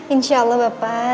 insya allah bapak